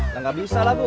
ya nggak bisa lah bu